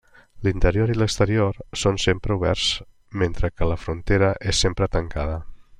L'interior i l'exterior són sempre oberts mentre que la frontera és sempre tancada.